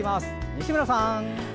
西村さん。